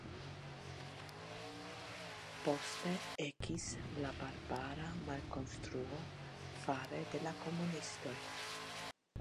Poste ekis la barbara malkonstruo fare de la komunistoj.